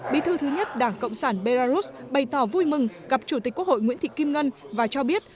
bí thư thứ nhất đảng cộng sản belarus bày tỏ vui mừng gặp chủ tịch quốc hội nguyễn thị kim ngân và cho biết